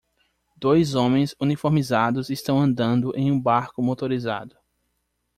Dois homens uniformizados estão andando em um barco motorizado.